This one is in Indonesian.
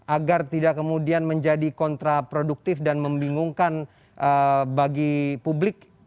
agar tidak kemudian menjadi kontraproduktif dan membingungkan bagi publik